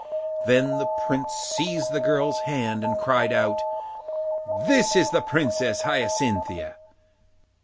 Then the Prince seized the girl's hand and cried out, 'This is the Princess Hyacinthia!